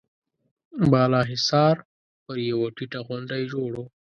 بالا حصار پر يوه ټيټه غونډۍ جوړ و.